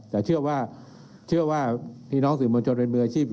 แต่เชื่อว่าเชื่อว่าพี่น้องสื่อมวลชนเป็นมืออาชีพ